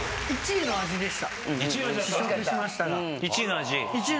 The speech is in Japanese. １位の味でした。